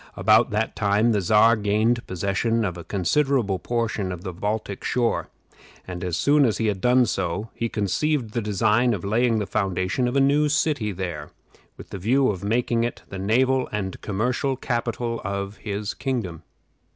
About that time the Czar gained possession of a considerable portion of the Baltic shore; and as soon as he had done so, he conceived the design of laying the foundation of a new city there, with the view of making it the naval and commercial capital of his kingdom.